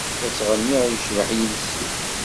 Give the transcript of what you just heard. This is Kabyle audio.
La ttɣenniɣ yecbeḥ yiles-iw.